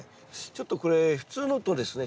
ちょっとこれ普通のとですね